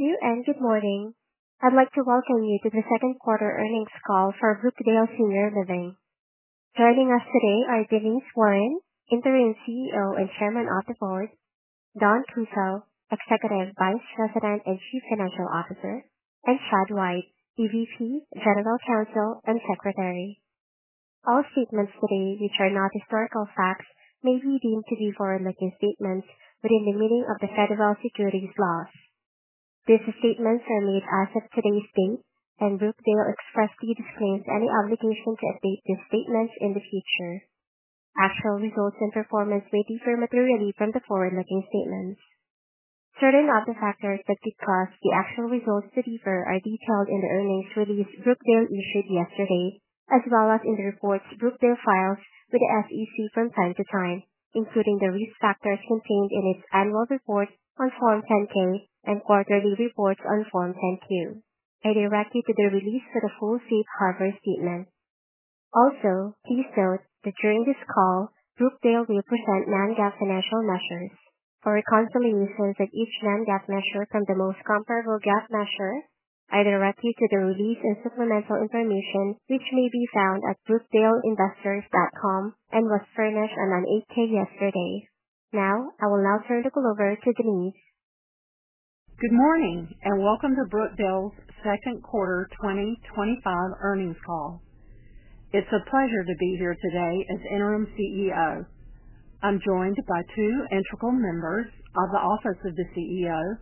Thank you and good morning. I'd like to welcome you to the Second Quarter Earnings Call for Brookdale Senior Living. Joining us today are Denise Warren, Interim CEO and Chairman of the Board, Dawn Kussow, Executive Vice President and Chief Financial Officer, and Chad White, EVP, General Counsel, and Secretary. All statements today which are not historical facts may be deemed to be forward-looking statements within the meaning of the federal securities laws. These statements are made as of today's date, and Brookdale expressly disclaims any obligation to update these statements in the future. Actual results and performance may differ materially from the forward-looking statements. Certain of the factors that could cause the actual results to differ are detailed in the earnings release Brookdale issued yesterday, as well as in the reports Brookdale files with the SEC from time to time, including the risk factors contained in its annual report on Form 10-K and quarterly reports on Form 10-Q. I direct you to the release for the full safe harbor statement. Also, please note that during this call, Brookdale will present non-GAAP financial metrics. For a confirmation that each non-GAAP metric is the most comparable GAAP metric, I direct you to the release and supplemental information which may be found at brookdale.investors.com and was furnished on an 8-K yesterday. Now, I will turn the call over to Denise. Good morning and welcome to Brookdale Senior Living's Second Quarter 2025 Earnings Call. It's a pleasure to be here today as Interim CEO. I'm joined by two integral members of the Office of the CEO: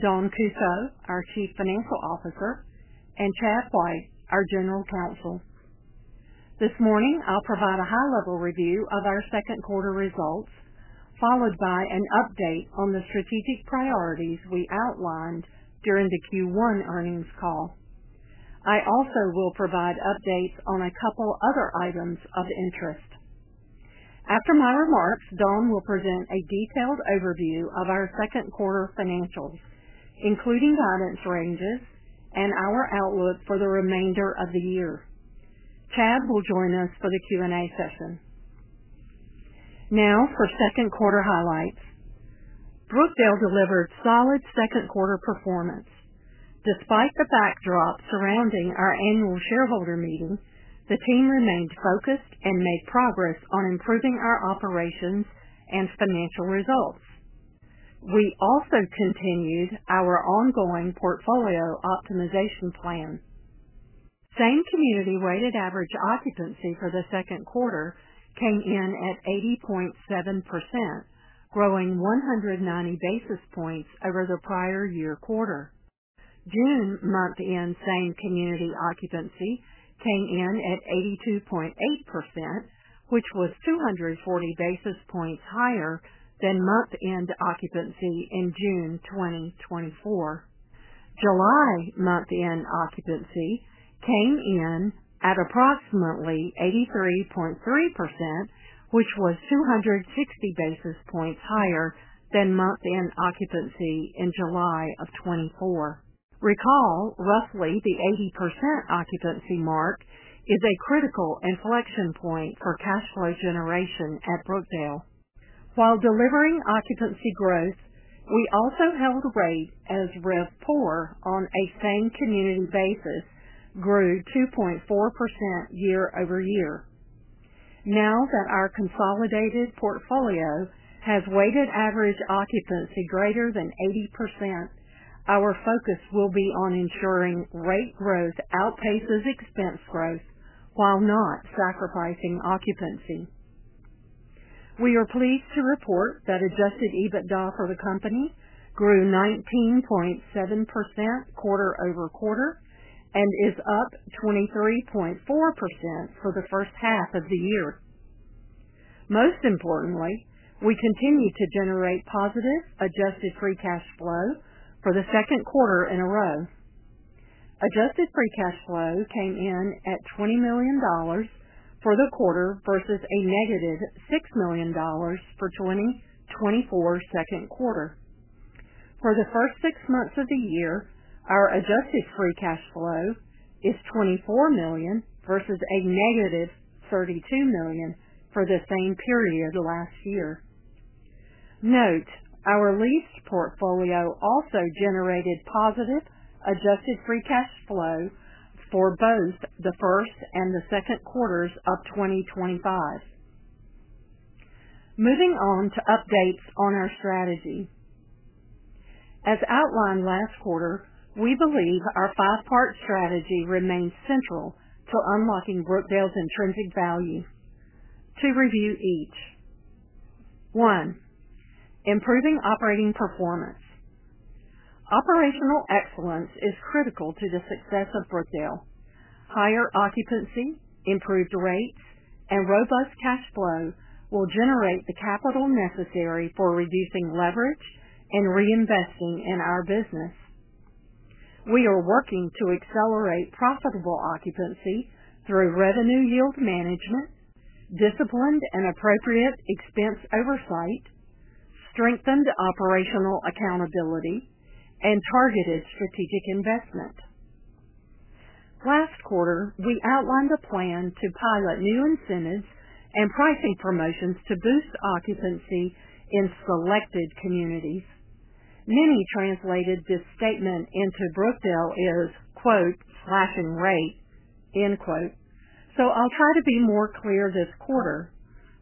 Dawn L. Kussow, our Chief Financial Officer, and Chad White, our General Counsel. This morning, I'll provide a high-level review of our second quarter results, followed by an update on the strategic priorities we outlined during the Q1 earnings call. I also will provide updates on a couple of other items of interest. After my remarks, Dawn will present a detailed overview of our second quarter financials, including guidance ranges and our outlook for the remainder of the year. Chad will join us for the Q&A session. Now, for second quarter highlights, Brookdale Senior Living delivered solid second quarter performance. Despite the backdrop surrounding our annual shareholder meeting, the team remained focused and made progress on improving our operations and financial results. We also continued our ongoing portfolio optimization plan. Same community weighted average occupancy for the second quarter came in at 80.7%, growing 190 basis points over the prior year quarter. June month-end same community occupancy came in at 82.8%, which was 240 basis points higher than month-end occupancy in June 2024. July month-end occupancy came in at approximately 83.3%, which was 260 basis points higher than month-end occupancy in July 2024. Recall, roughly the 80% occupancy mark is a critical inflection point for cash flow generation at Brookdale. While delivering occupancy growth, we also held a rate as RevPOR on a same community basis grew 2.4% year-over-year. Now that our consolidated portfolio has weighted average occupancy greater than 80%, our focus will be on ensuring rate growth outpaces expense growth while not sacrificing occupancy. We are pleased to report that adjusted EBITDA for the company grew 19.7% quarter-over-quarter and is up 23.4% for the first half of the year. Most importantly, we continue to generate positive adjusted free cash flow for the second quarter in a row. Adjusted free cash flow came in at $20 million for the quarter versus a -$6 million for 2024 second quarter. For the first six months of the year, our adjusted free cash flow is $24 million versus a -$32 million for the same period last year. Note, our lease portfolio also generated positive adjusted free cash flow for both the first and the second quarters of 2025. Moving on to updates on our strategy. As outlined last quarter, we believe our five-part strategy remains central to unlocking Brookdale's intrinsic value. To review each: One, improving operating performance. Operational excellence is critical to the success of Brookdale. Higher occupancy, improved rates, and robust cash flow will generate the capital necessary for reducing leverage and reinvesting in our business. We are working to accelerate profitable occupancy through revenue yield management, disciplined and appropriate expense oversight, strengthened operational accountability, and targeted strategic investment. Last quarter, we outlined a plan to pilot new incentives and pricing promotions to boost occupancy in selected communities. Many translated this statement into Brookdale as, quote, "slashing rate," end quote. I'll try to be more clear this quarter.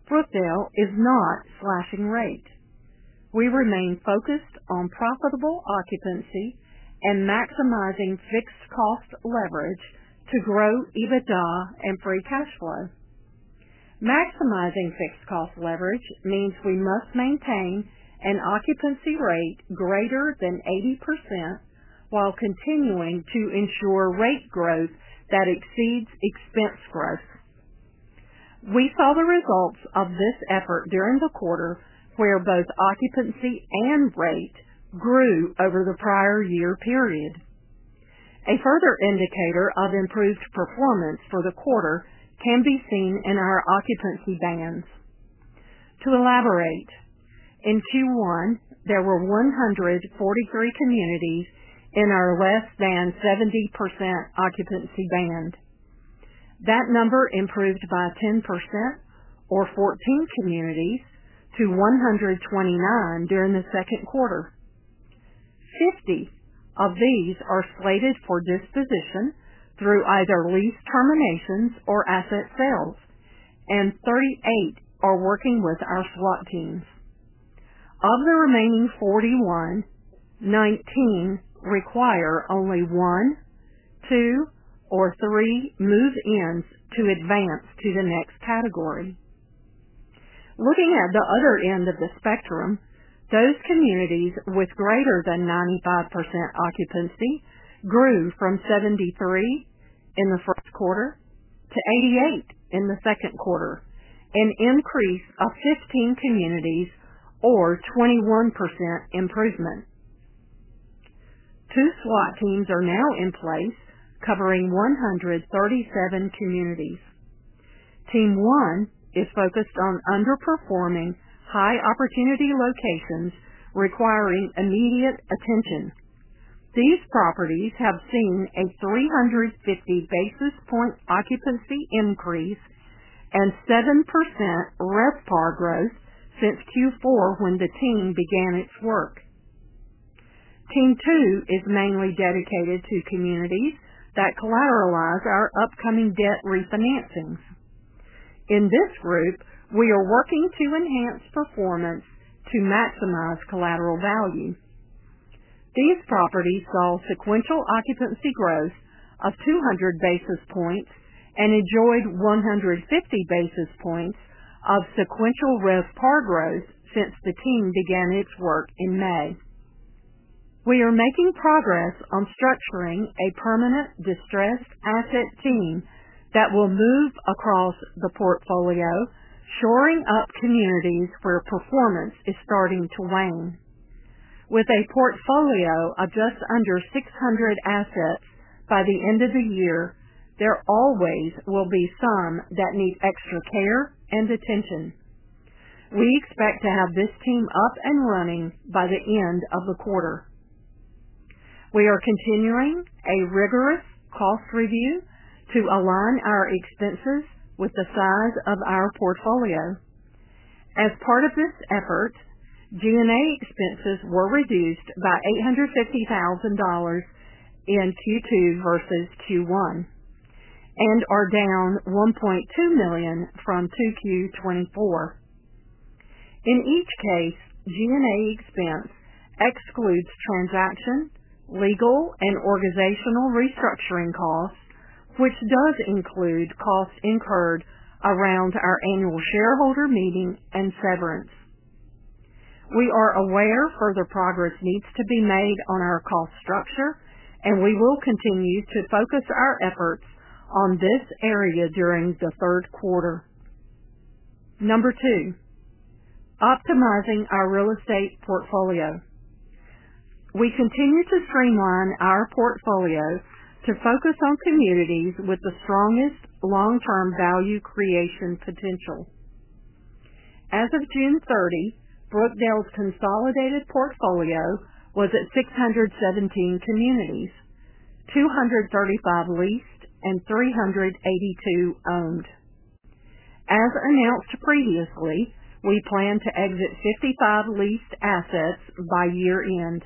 Brookdale is not slashing rate. We remain focused on profitable occupancy and maximizing fixed cost leverage to grow EBITDA and free cash flow. Maximizing fixed cost leverage means we must maintain an occupancy rate greater than 80% while continuing to ensure rate growth that exceeds expense growth. We saw the results of this effort during the quarter where both occupancy and rate grew over the prior year period. A further indicator of improved performance for the quarter can be seen in our occupancy bands. To elaborate, in Q1, there were 143 communities in our less than 70% occupancy band. That number improved by 10%, or 14 communities, to 129 during the second quarter. 50 of these are slated for disposition through either lease terminations or asset sales, and 38 are working with our SWAT teams. Of the remaining 41, 19 require only one, two, or three move-ins to advance to the next category. Looking at the other end of the spectrum, those communities with greater than 95% occupancy grew from 73 in the first quarter to 88 in the second quarter, an increase of 15 communities or 21% improvement. Two SWAT teams are now in place, covering 137 communities. Team one is focused on underperforming high-opportunity locations requiring immediate attention. These properties have seen a 350 basis point occupancy increase and 7% RevPAR growth since Q4 when the team began its work. Team two is mainly dedicated to communities that collateralize our upcoming debt refinancings. In this group, we are working to enhance performance to maximize collateral value. These properties saw sequential occupancy growth of 200 basis points and enjoyed 150 basis points of sequential RevPAR growth since the team began its work in May. We are making progress on structuring a permanent distressed asset team that will move across the portfolio, shoring up communities where performance is starting to wane. With a portfolio of just under 600 assets by the end of the year, there always will be some that need extra care and attention. We expect to have this team up and running by the end of the quarter. We are continuing a rigorous cost review to align our expenses with the size of our portfolio. As part of this effort, G&A expenses were reduced by $850,000 in Q2 versus Q1 and are down $1.2 million from Q2 2024. In each case, G&A expense excludes transaction, legal, and organizational restructuring costs, which does include costs incurred around our annual shareholder meeting and severance. We are aware further progress needs to be made on our cost structure, and we will continue to focus our efforts on this area during the third quarter. Number two, optimizing our real estate portfolio. We continue to streamline our portfolio to focus on communities with the strongest long-term value creation potential. As of June 30, Brookdale's consolidated portfolio was at 617 communities, 235 leased, and 382 owned. As announced previously, we plan to exit 55 leased assets by year-end.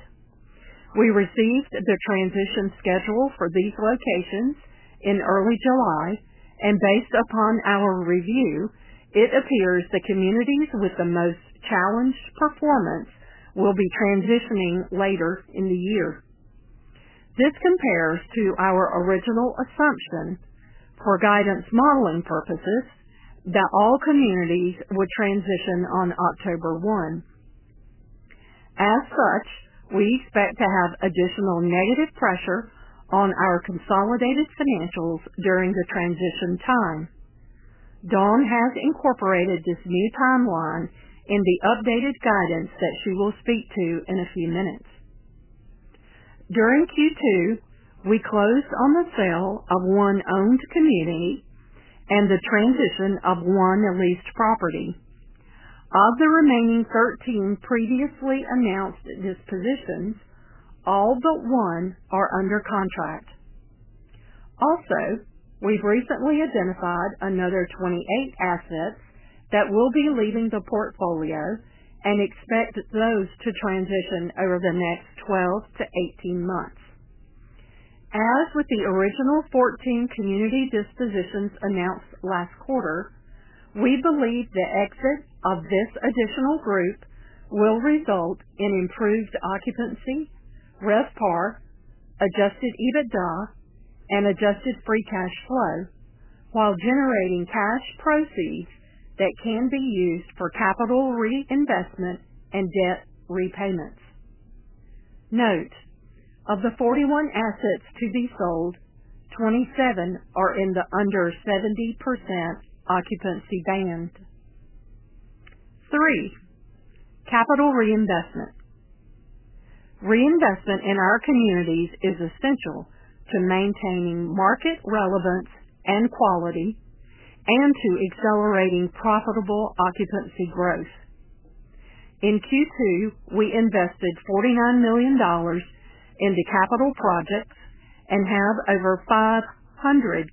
We received the transition schedule for these locations in early July, and based upon our review, it appears the communities with the most challenged performance will be transitioning later in the year. This compares to our original assumption for guidance modeling purposes that all communities would transition on October 1. As such, we expect to have additional negative pressure on our consolidated financials during the transition time. Dawn has incorporated this new timeline in the updated guidance that she will speak to in a few minutes. During Q2, we closed on the sale of one owned community and the transition of one leased property. Of the remaining 13 previously announced dispositions, all but one are under contract. Also, we've recently identified another 28 assets that will be leaving the portfolio and expect those to transition over the next 12 months-18 months. As with the original 14 community dispositions announced last quarter, we believe the exit of this additional group will result in improved occupancy, RevPAR, adjusted EBITDA, and adjusted free cash flow, while generating cash proceeds that can be used for capital reinvestment and debt repayments. Note, of the 41 assets to be sold, 27 are in the under 70% occupancy band. Three, capital reinvestment. Reinvestment in our communities is essential to maintaining market relevance and quality and to accelerating profitable occupancy growth. In Q2, we invested $49 million in the capital projects and have over 500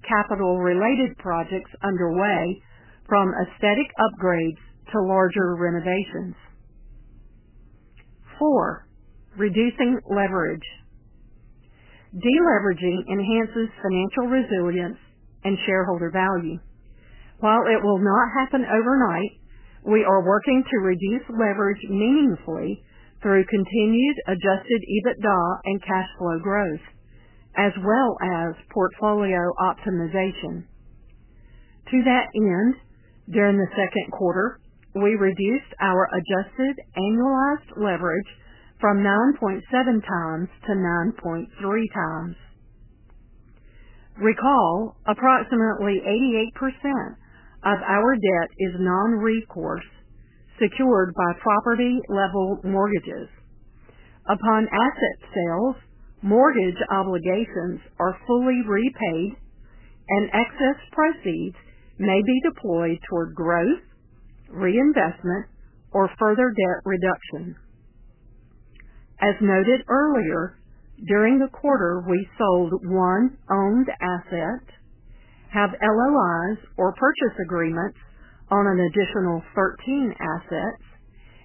capital-related projects underway, from aesthetic upgrades to larger renovations. Four, reducing leverage. Deleveraging enhances financial resilience and shareholder value. While it will not happen overnight, we are working to reduce leverage meaningfully through continued adjusted EBITDA and cash flow growth, as well as portfolio optimization. To that end, during the second quarter, we reduced our adjusted annualized leverage from 9.7x-9.3x. Recall, approximately 88% of our debt is non-recourse, secured by property-level mortgages. Upon asset sales, mortgage obligations are fully repaid, and excess proceeds may be deployed toward growth, reinvestment, or further debt reduction. As noted earlier, during the quarter, we sold one owned asset, have LOIs or purchase agreements on an additional 13 assets,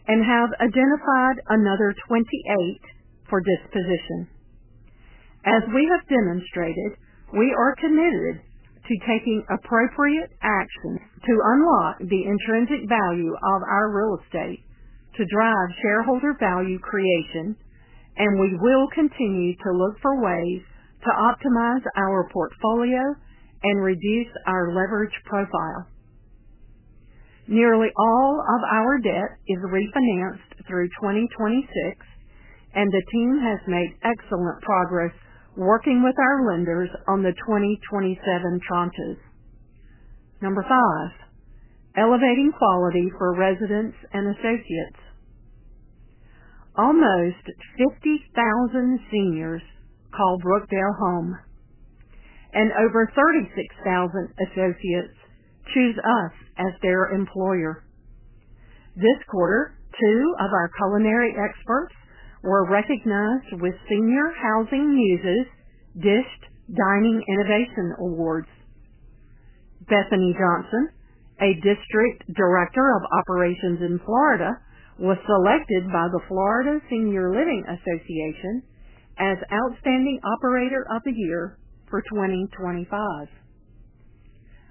and have identified another 28 for disposition. As we have demonstrated, we are committed to taking appropriate actions to unlock the intrinsic value of our real estate to drive shareholder value creation, and we will continue to look for ways to optimize our portfolio and reduce our leverage profile. Nearly all of our debt is refinanced through 2026, and the team has made excellent progress working with our lenders on the 2027 tranches. Number five, elevating quality for residents and associates. Almost 50,000 seniors call Brookdale home, and over 36,000 associates choose us as their employer. This quarter, two of our culinary experts were recognized with Senior Housing Muses DISHED Dining Innovation Awards. Bethany Johnson, a District Director of Operations in Florida, was selected by the Florida Senior Living Association as Outstanding Operator of the Year for 2025.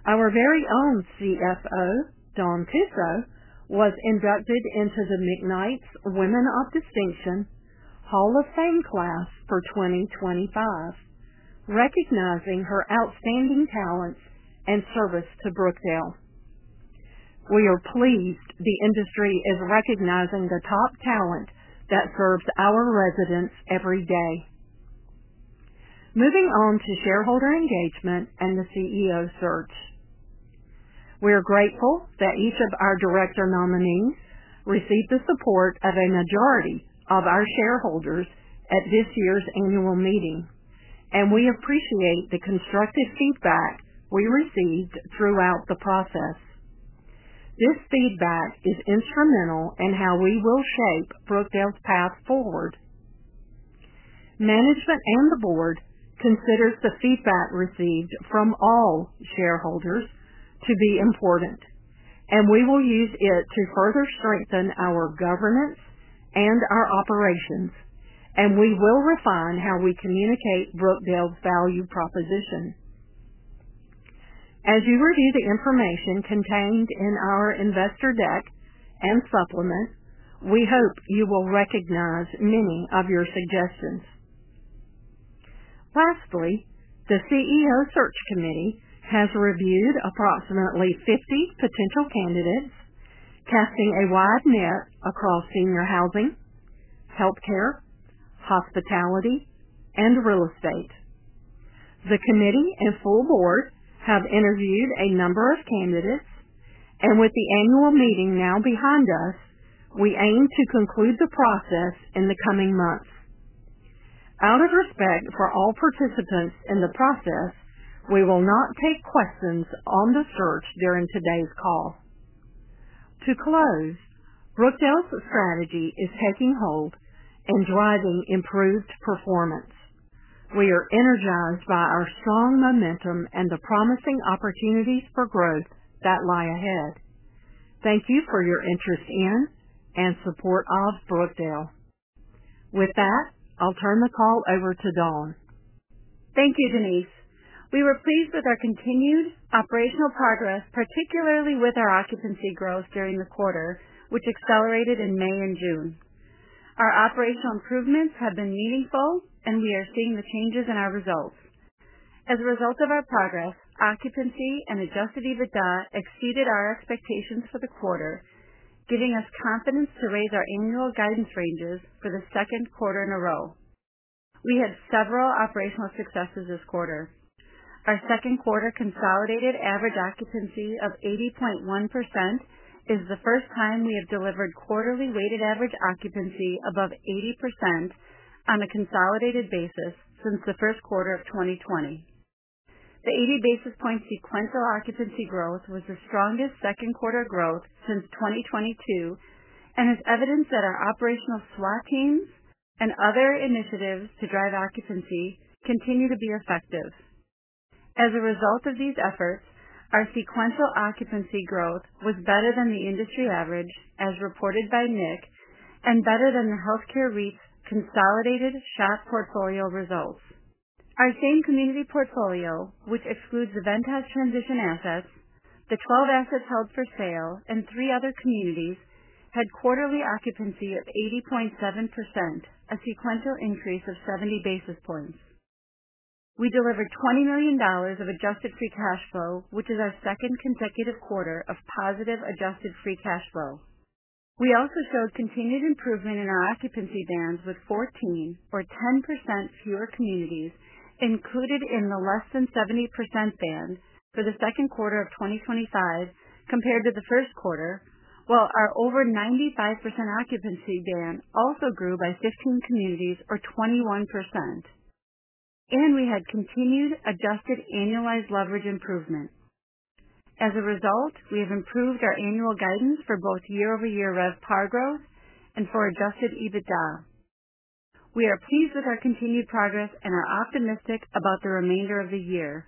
Our very own CFO, Dawn Kussow, was inducted into the McKnight's Women of Distinction Hall of Fame class for 2025, recognizing her outstanding talents and service to Brookdale. We are pleased the industry is recognizing the top talent that serves our residents every day. Moving on to shareholder engagement and the CEO search, we are grateful that each of our director nominees received the support of a majority of our shareholders at this year's annual meeting, and we appreciate the constructive feedback we received throughout the process. This feedback is instrumental in how we will slope Brookdale's path forward. Management and the Board consider the feedback received from all shareholders to be important, and we will use it to further strengthen our governance and our operations, and we will refine how we communicate Brookdale's value proposition. As you review the information contained in our investor deck and supplements, we hope you will recognize many of your suggestions. Lastly, the CEO search committee has reviewed approximately 50 potential candidates, casting a wide net across senior housing, healthcare, hospitality, and real estate. The committee and full Board have interviewed a number of candidates, and with the annual meeting now behind us, we aim to conclude the process in the coming months. Out of respect for all participants in the process, we will not take questions on the search during today's call. To close, Brookdale's strategy is taking hold and driving improved performance. We are energized by our strong momentum and the promising opportunities for growth that lie ahead. Thank you for your interest in and support of Brookdale. With that, I'll turn the call over to Dawn. Thank you, Denise. We were pleased with our continued operational progress, particularly with our occupancy growth during the quarter, which accelerated in May and June. Our operational improvements have been meaningful, and we are seeing the changes in our results. As a result of our progress, occupancy and adjusted EBITDA exceeded our expectations for the quarter, giving us confidence to raise our annual guidance ranges for the second quarter in a row. We had several operational successes this quarter. Our second quarter consolidated average occupancy of 80.1% is the first time we have delivered quarterly weighted average occupancy above 80% on a consolidated basis since the first quarter of 2020. The 80-basis point sequential occupancy growth was the strongest second quarter growth since 2022 and is evidence that our operational SWAT teams and other initiatives to drive occupancy continue to be effective. As a result of these efforts, our sequential occupancy growth was better than the industry average, as reported by Nick, and better than the healthcare REIT's consolidated SHAP portfolio results. Our same community portfolio, which excludes the Vantage Transition assets, the 12 assets held for sale, and three other communities, had quarterly occupancy of 80.7%, a sequential increase of 70 basis points. We delivered $20 million of adjusted free cash flow, which is our second consecutive quarter of positive adjusted free cash flow. We also showed continued improvement in our occupancy bands with 14% or 10% fewer communities included in the less than 70% band for the second quarter of 2025 compared to the first quarter, while our over 95% occupancy band also grew by 15 communities or 21%. We had continued adjusted annualized leverage improvement. As a result, we have improved our annual guidance for both year-over-year RevPAR growth and for adjusted EBITDA. We are pleased with our continued progress and are optimistic about the remainder of the year.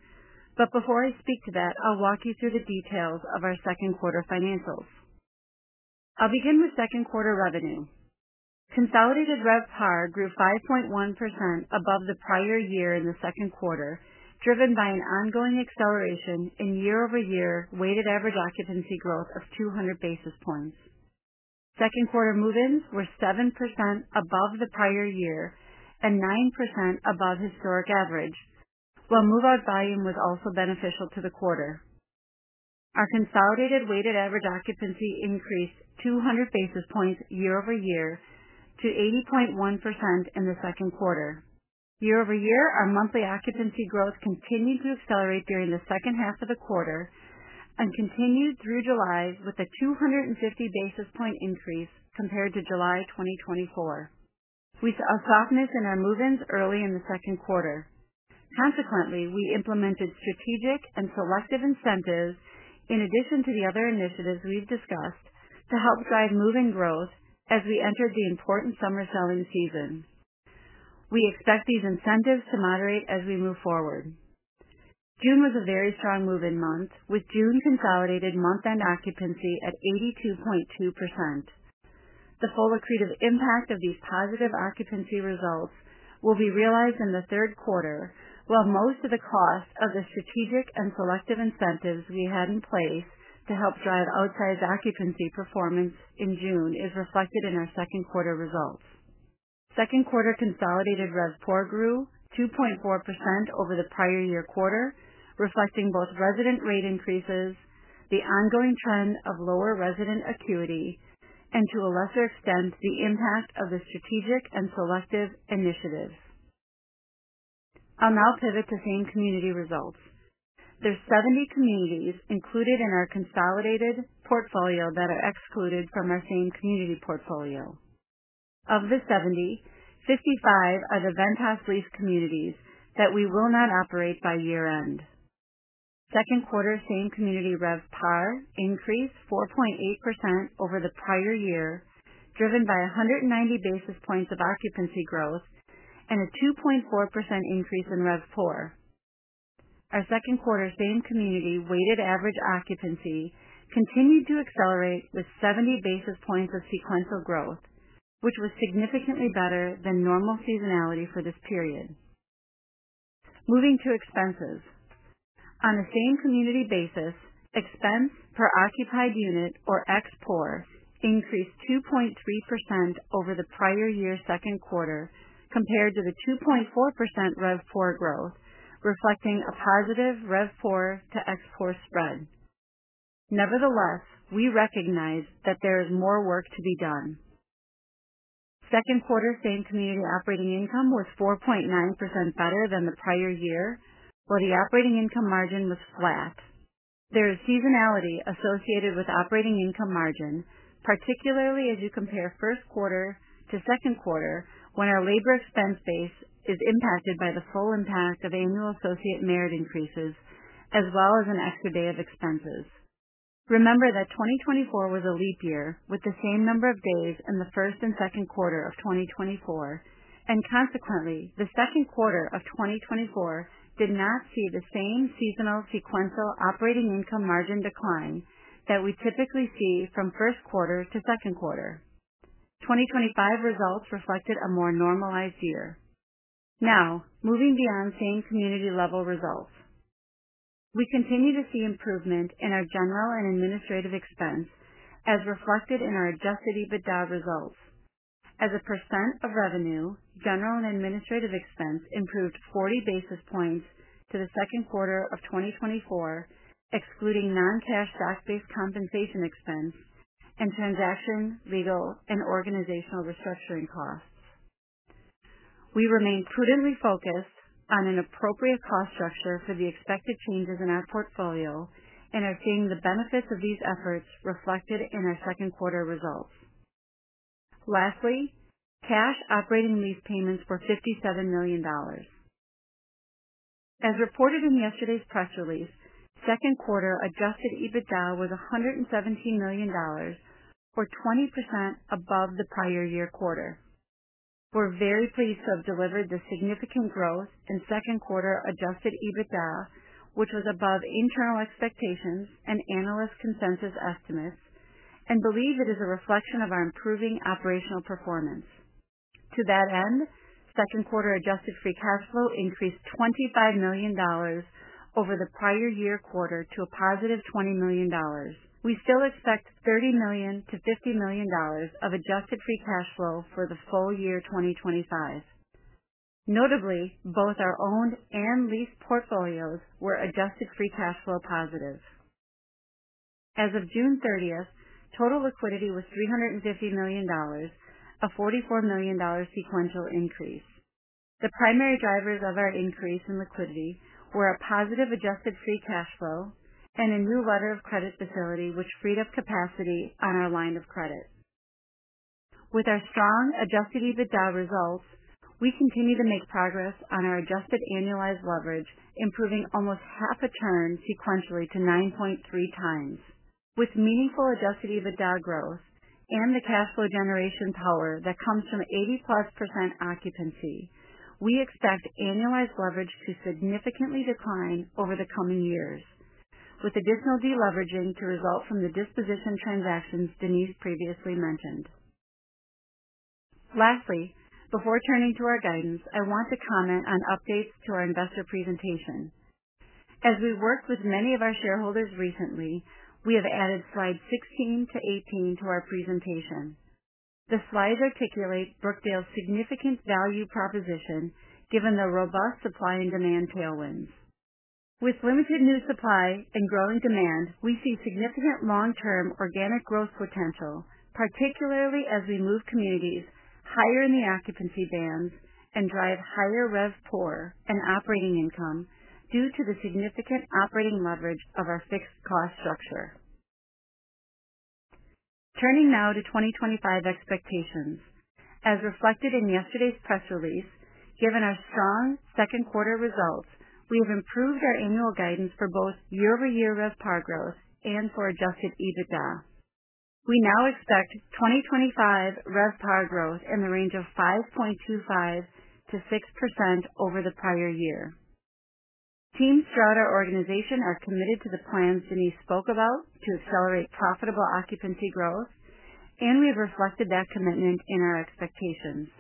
Before I speak to that, I'll walk you through the details of our second quarter financials. I'll begin with second quarter revenue. Consolidated RevPAR grew 5.1% above the prior year in the second quarter, driven by an ongoing acceleration in year-over-year weighted average occupancy growth of 200 basis points. Second quarter move-ins were 7% above the prior year and 9% above historic average, while move-out volume was also beneficial to the quarter. Our consolidated weighted average occupancy increased 200 basis points year-over-year to 80.1% in the second quarter. Year-over-year, our monthly occupancy growth continued to accelerate during the second half of the quarter and continued through July with a 250 basis point increase compared to July 2024. We saw a softness in our move-ins early in the second quarter. Consequently, we implemented strategic and selective incentives in addition to the other initiatives we've discussed to help drive move-in growth as we entered the important summer selling season. We expect these incentives to moderate as we move forward. June was a very strong move-in month, with June consolidated month-end occupancy at 82.2%. The full accretive impact of these positive occupancy results will be realized in the third quarter, while most of the cost of the strategic and selective incentives we had in place to help drive outsized occupancy performance in June is reflected in our second quarter results. Second quarter consolidated RevPOR grew 2.4% over the prior year quarter, reflecting both resident rate increases, the ongoing trend of lower resident acuity, and to a lesser extent, the impact of the strategic and selective initiatives. I'll now pivot to same community results. There are 70 communities included in our consolidated portfolio that are excluded from our same community portfolio. Of the 70, 55 are the Vantage leased communities that we will not operate by year-end. Second quarter same community RevPAR increased 4.8% over the prior year, driven by 190 basis points of occupancy growth and a 2.4% increase in RevPOR. Our second quarter same community weighted average occupancy continued to accelerate with 70 basis points of sequential growth, which was significantly better than normal seasonality for this period. Moving to expenses. On the same community basis, expense per occupied unit or ExPOR increased 2.3% over the prior year's second quarter compared to the 2.4% RevPOR growth, reflecting a positive RevPOR to ExPOR spread. Nevertheless, we recognize that there is more work to be done. Second quarter same community operating income was 4.9% better than the prior year, while the operating income margin was flat. There is seasonality associated with operating income margin, particularly as you compare first quarter to second quarter when our labor expense base is impacted by the full impact of annual associate merit increases, as well as an extra day of expenses. Remember that 2024 was a leap year with the same number of days in the first and second quarter of 2024, and consequently, the second quarter of 2024 did not see the same seasonal sequential operating income margin decline that we typically see from first quarter to second quarter. 2025 results reflected a more normalized year. Now, moving beyond same community level results, we continue to see improvement in our general and administrative expense as reflected in our adjusted EBITDA results. As a percent of revenue, general and administrative expense improved 40 basis points to the second quarter of 2024, excluding non-cash SaaS-based compensation expense and transaction, legal, and organizational restructuring costs. We remain prudently focused on an appropriate cost structure for the expected changes in our portfolio and are seeing the benefits of these efforts reflected in our second quarter results. Lastly, cash operating lease payments were $57 million. As reported in yesterday's press release, second quarter adjusted EBITDA was $117 million, or 20% above the prior year quarter. We're very pleased to have delivered this significant growth in second quarter adjusted EBITDA, which was above internal expectations and analyst consensus estimates, and believe it is a reflection of our improving operational performance. To that end, second quarter adjusted free cash flow increased $25 million over the prior year quarter to a+$20 million. We still expect $30 million-$50 million of adjusted free cash flow for the full year 2025. Notably, both our owned and leased portfolios were adjusted free cash flow positive. As of June 30th, total liquidity was $350 million, a $44 million sequential increase. The primary drivers of our increase in liquidity were a positive adjusted free cash flow and a new letter of credit facility which freed up capacity on our line of credit. With our strong adjusted EBITDA results, we continue to make progress on our adjusted annualized leverage, improving almost half a turn sequentially to 9.3x. With meaningful adjusted EBITDA growth and the cash flow generation power that comes from 80%+ occupancy, we expect annualized leverage to significantly decline over the coming years, with additional deleveraging to result from the disposition transactions Denise previously mentioned. Lastly, before turning to our guidance, I want to comment on updates to our investor presentation. As we worked with many of our shareholders recently, we have added slides 16-18 to our presentation. The slides articulate Brookdale's significant value proposition given the robust supply and demand tailwinds. With limited new supply and growing demand, we see significant long-term organic growth potential, particularly as we move communities higher in the occupancy bands and drive higher RevPOR and operating income due to the significant operating leverage of our fixed cost structure. Turning now to 2025 expectations. As reflected in yesterday's press release, given our strong second quarter results, we have improved our annual guidance for both year-over-year RevPAR growth and for adjusted EBITDA. We now expect 2025 RevPAR growth in the range of 5.25%-6% over the prior year. Teams throughout our organization are committed to the plans Denise Warren spoke about to accelerate profitable occupancy growth, and we've reflected that commitment in our expectations.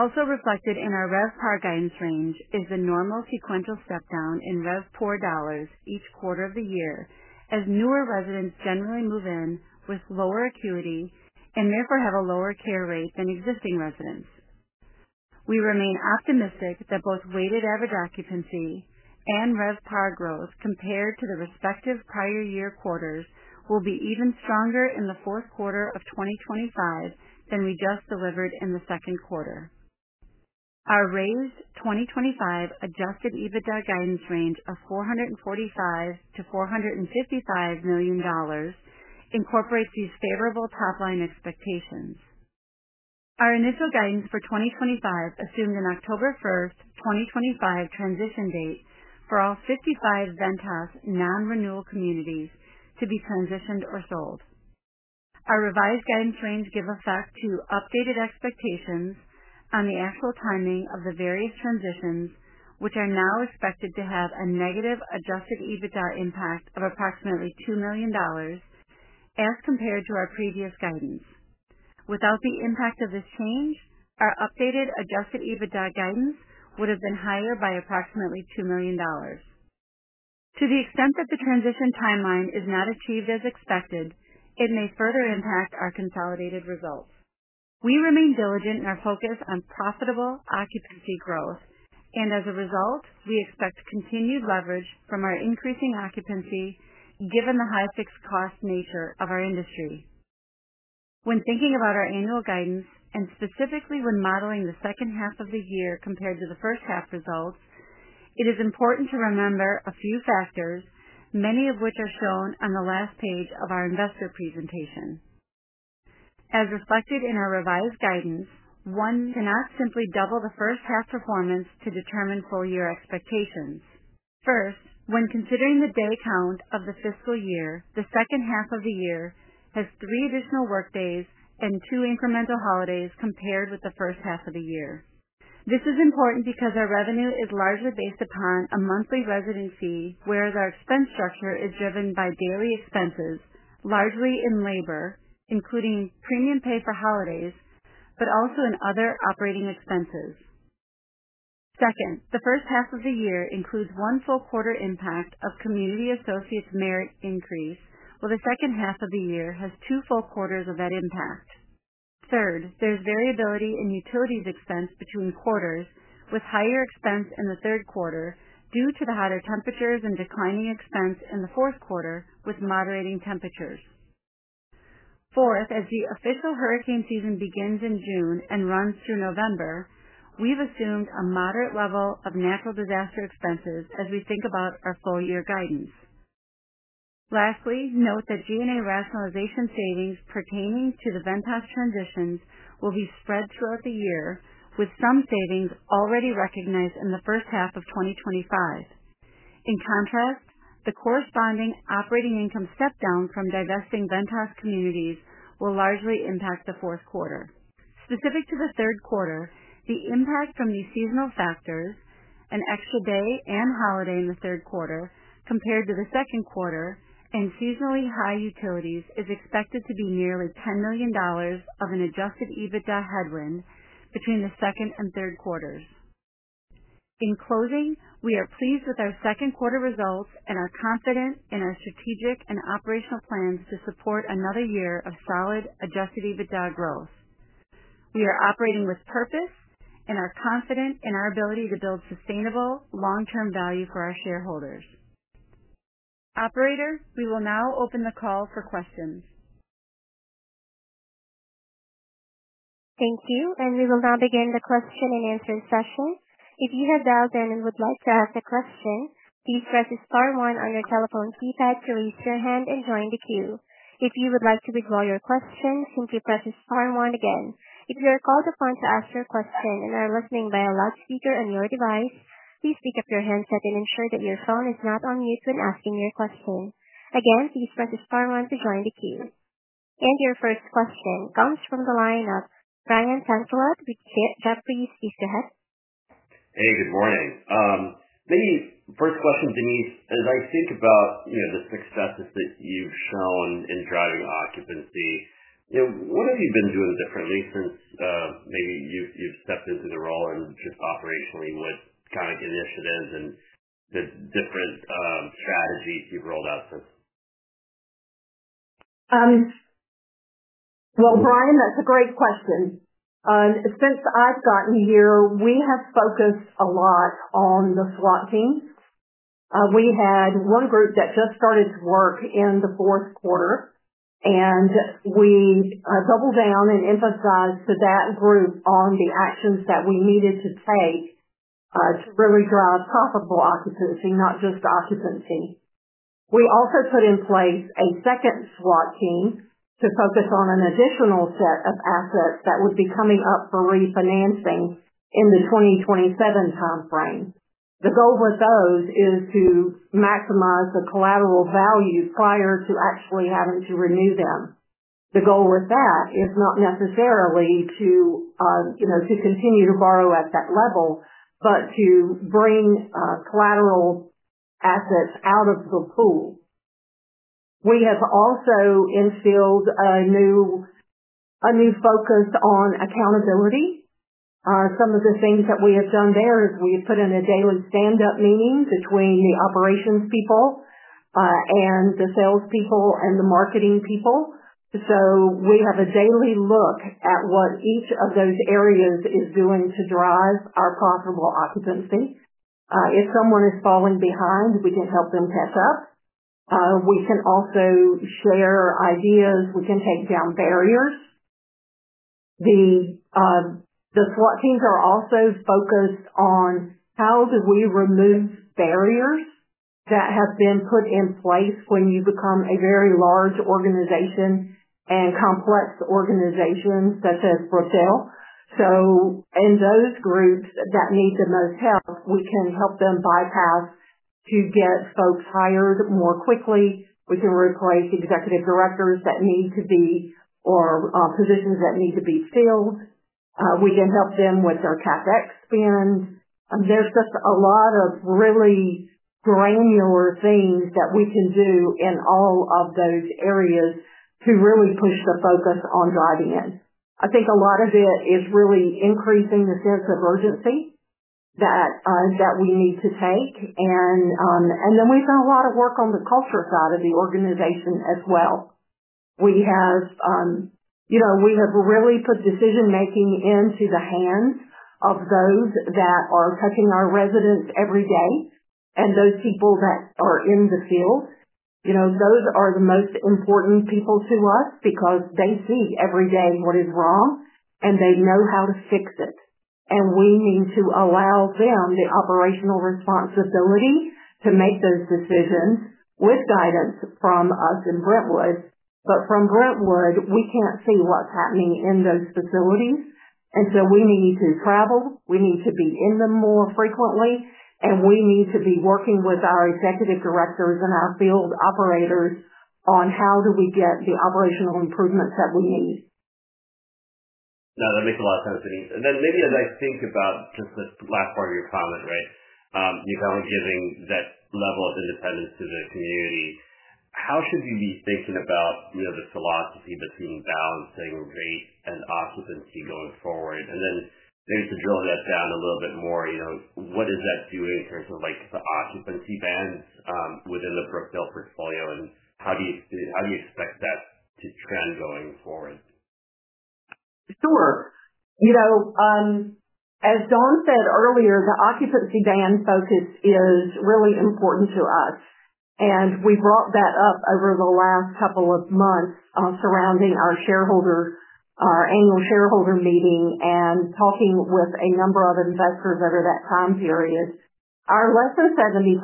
Also reflected in our RevPAR guidance range is the normal sequential step-down in RevPOR dollars each quarter of the year as newer residents generally move in with lower acuity and therefore have a lower care rate than existing residents. We remain optimistic that both weighted average occupancy and RevPAR growth compared to the respective prior year quarters will be even stronger in the fourth quarter of 2025 than we just delivered in the second quarter. Our raised 2025 adjusted EBITDA guidance range of $445 million-$455 million incorporates these favorable top-line expectations. Our initial guidance for 2025 assumed an October 1, 2025 transition date for all 55 Vantage non-renewal communities to be transitioned or sold. Our revised guidance range gives effect to updated expectations on the actual timing of the various transitions, which are now expected to have a negative adjusted EBITDA impact of approximately $2 million as compared to our previous guidance. Without the impact of this change, our updated adjusted EBITDA guidance would have been higher by approximately $2 million. To the extent that the transition timeline is not achieved as expected, it may further impact our consolidated results. We remain diligent in our focus on profitable occupancy growth, and as a result, we expect continued leverage from our increasing occupancy given the high fixed cost nature of our industry. When thinking about our annual guidance and specifically when modeling the second half of the year compared to the first half results, it is important to remember a few factors, many of which are shown on the last page of our investor presentation. As reflected in our revised guidance, one cannot simply double the first half performance to determine full-year expectations. First, when considering the day count of the fiscal year, the second half of the year has three additional workdays and two incremental holidays compared with the first half of the year. This is important because our revenue is largely based upon a monthly residency where the expense structure is driven by daily expenses, largely in labor, including premium pay for holidays, but also in other operating expenses. Second, the first half of the year includes one full quarter impact of community associates' merit increase, while the second half of the year has two full quarters of that impact. Third, there's variability in utilities expense between quarters, with higher expense in the third quarter due to the hotter temperatures and declining expense in the fourth quarter with moderating temperatures. Fourth, as the official hurricane season begins in June and runs through November, we've assumed a moderate level of natural disaster expenses as we think about our full-year guidance. Lastly, note that G&A rationalization savings pertaining to the Vantage transitions will be spread throughout the year with some savings already recognized in the first half of 2025. In contrast, the corresponding operating income step-down from divesting Vantage communities will largely impact the fourth quarter. Specific to the third quarter, the impact from these seasonal factors, an extra day and holiday in the third quarter compared to the second quarter, and seasonally high utilities is expected to do nearly $10 million of an adjusted EBITDA headwind between the second and third quarters. In closing, we are pleased with our second quarter results and are confident in our strategic and operational plans to support another year of solid adjusted EBITDA growth. We are operating with purpose and are confident in our ability to build sustainable long-term value for our shareholders. Operator, we will now open the call for questions. Thank you, and we will now begin the question and answer session. If you have dialed in and would like to ask a question, please press the star one on your telephone keypad to raise your hand and join the queue. If you would like to withdraw your question, simply press the star one again. If you are called upon to ask your question and are listening via a loudspeaker on your device, please pick up your headset and ensure that your phone is not on mute when asking your question. Again, please press the star one to join the queue. Your first question comes from the lineup. Brian Tanquilut, would you please raise your hand? Hey, good morning. Denise, first question, as I think about the successes that you've shown in driving occupancy, what have you been doing differently since you've stepped into the role, and just operationally, what kind of initiatives and the different strategies you've rolled out since? Brian, that's a great question. Since I've gotten here, we have focused a lot on the SWAT teams. We had one group that just started to work in the fourth quarter, and we doubled down and emphasized to that group on the actions that we needed to take to really drive profitable occupancy, not just occupancy. We also put in place a second SWAT team to focus on an additional set of assets that would be coming up for refinancing in the 2027 timeframe. The goal with those is to maximize the collateral values prior to actually having to renew them. The goal with that is not necessarily to continue to borrow at that level, but to bring collateral assets out of the pool. We have also instilled a new focus on accountability. Some of the things that we have done there is we have put in a daily stand-up meeting between the operations people, the salespeople, and the marketing people. We have a daily look at what each of those areas is doing to drive our profitable occupancy. If someone is falling behind, we can help them catch up. We can also share ideas. We can take down barriers. The SWAT teams are also focused on how we remove barriers that have been put in place when you become a very large organization and complex organization such as Brookdale. In those groups that need the most help, we can help them bypass to get folks hired more quickly. We can replace executive directors that need to be or positions that need to be filled. We can help them with their CapEx spend. There's just a lot of really granular things that we can do in all of those areas to really push the focus on driving it. I think a lot of it is really increasing the sense of urgency that we need to take. We've done a lot of work on the cultural side of the organization as well. We have really put decision-making into the hands of those that are touching our residents every day and those people that are in the fields. Those are the most important people to us because they see every day what is wrong, and they know how to fix it. We need to allow them the operational responsibility to make those decisions with guidance from us in Brentwood. From Brentwood, we can't see what's happening in those facilities. We need to travel. We need to be in them more frequently, and we need to be working with our executive directors and our field operators on how we get the operational improvements that we need. No, that makes a lot of sense, Denise. Maybe as I think about just this last part of your comment, right, you've all given that level of independence to the community. How should we be thinking about, you know, the philosophy between balancing rate and occupancy going forward? Maybe to drill that down a little bit more, you know, what is that doing in terms of the occupancy bands within the Brookdale portfolio? How do you see, how do you expect that to trend going forward? Sure. As Dawn said earlier, the occupancy band focus is really important to us. We brought that up over the last couple of months, surrounding our shareholders, our annual shareholder meeting, and talking with a number of investors over that time period. Our less than 70%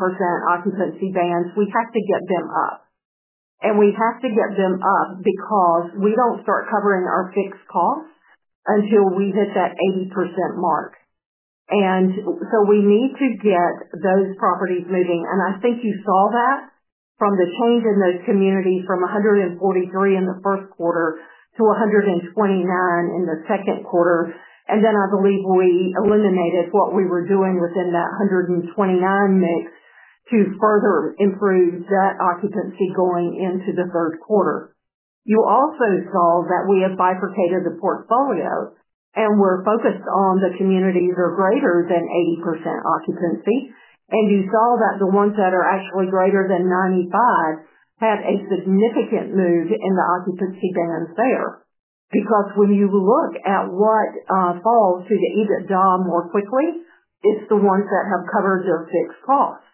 occupancy bands, we have to get them up. We have to get them up because we don't start covering our fixed costs until we hit that 80% mark. We need to get those properties moving. I think you saw that from the change in those communities from 143 in the first quarter to 129 in the second quarter. I believe we eliminated what we were doing within that 129 mix to further improve that occupancy going into the third quarter. You also saw that we have bifurcated the portfolio and were focused on the communities that are greater than 80% occupancy. You saw that the ones that are actually greater than 95 have a significant move in the occupancy bands there. When you look at what falls to the EBITDA more quickly, it's the ones that have covered their fixed costs.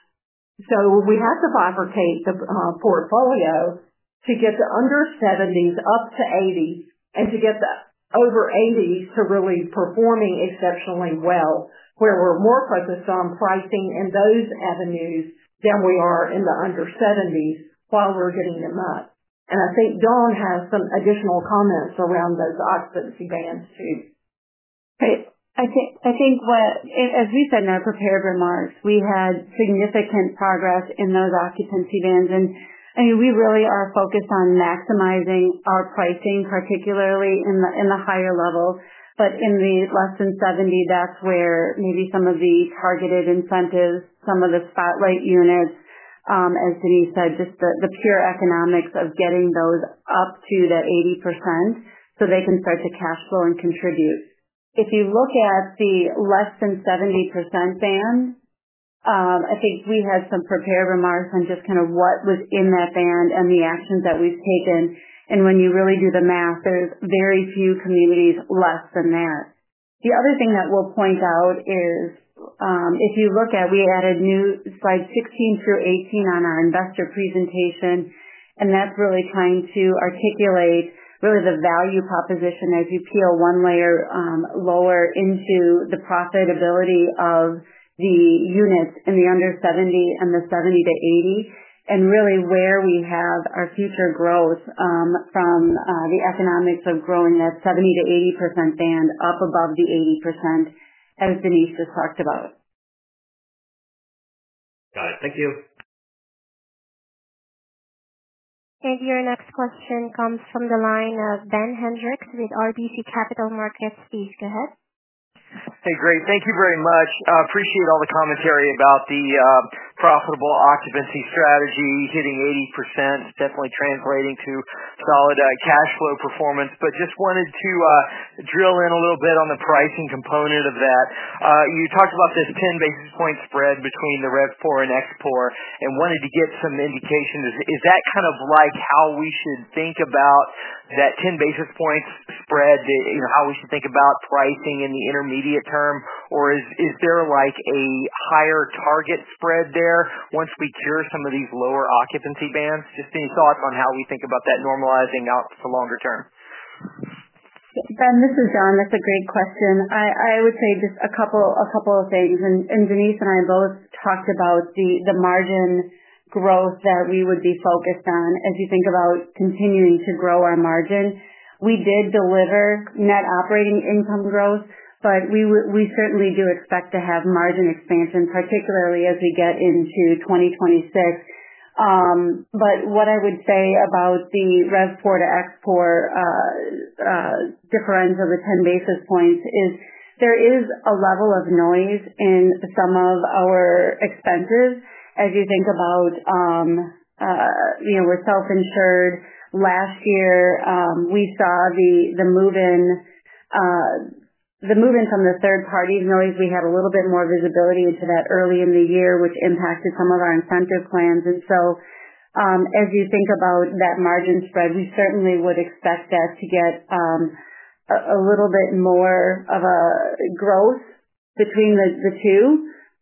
We have to bifurcate the portfolio to get the under 70s up to [80%] and to get the over 80s to really perform exceptionally well, where we're more focused on pricing in those avenues than we are in the under 70s while we're getting them up. I think Dawn has some additional comments around those occupancy bands too. I think what, as we said in our prepared remarks, we had significant progress in those occupancy bands. We really are focused on maximizing our pricing, particularly in the higher level. In the less than 70%, that's where maybe some of the targeted incentives, some of the spotlight units, as Denise said, just the pure economics of getting those up to that 80% so they can start to cash flow and contribute. If you look at the less than 70% band, I think we had some prepared remarks on just kind of what was in that band and the actions that we've taken. When you really do the math, there's very few communities less than that. The other thing that we'll point out is, if you look at, we added new slide 16 through 18 on our investor presentation, and that's really trying to articulate the value proposition as you peel one layer lower into the profitability of the units in the under 70% and the 70%-80%, and really where we have our future growth, from the economics of growing that 70-80% band up above the 80% as Denise just talked about. Got it. Thank you. Your next question comes from the line of Ben Hendrix with RBC Capital Markets, please go ahead. Hey, great. Thank you very much. I appreciate all the commentary about the profitable occupancy strategy, hitting 80%, definitely translating to solid cash flow performance. I just wanted to drill in a little bit on the pricing component of that. You talked about this 10 basis point spread between the RevPOR and ExPOR and wanted to get some indications. Is that kind of like how we should think about that 10 basis point spread? You know, how we should think about pricing in the intermediate term, or is there like a higher target spread there once we cure some of these lower occupancy bands? Any thoughts on how we think about that normalizing out for the longer term? Ben, this is Dawn. That's a great question. I would say just a couple of things. Denise and I both talked about the margin growth that we would be focused on as you think about continuing to grow our margin. We did deliver net operating income growth, but we certainly do expect to have margin expansion, particularly as we get into 2026. What I would say about the RevPOR to ExPOR differential to 10 basis points is there is a level of noise in some of our expenses as you think about, you know, we're self-insured. Last year, we saw the move-in, the move-in from the third-party noise. We had a little bit more visibility into that early in the year, which impacted some of our incentive plans. As you think about that margin spread, we certainly would expect us to get a little bit more of a growth between the two.